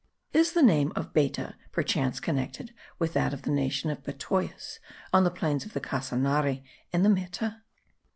Is the name of Beta perchance connected with that of the nation of Betoyes, of the plains of the Casanare and the Meta?